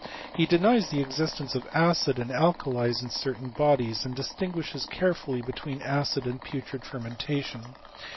He denies the existence of acids and alkalies in cer* tain bodies, and distinguishes carefully between acid and putrid fermentation.